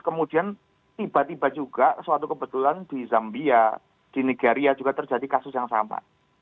kemudian tiba tiba juga suatu kebetulan di zambia di nigeria juga terjadi kasus yang sama